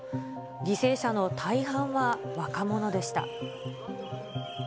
犠牲者の大半は若者でした。